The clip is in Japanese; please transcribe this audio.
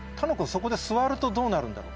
そこで座るとどうなるんだろう？